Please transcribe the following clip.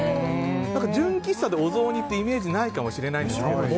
純喫茶でお雑煮っていうイメージないかもしれないんですけど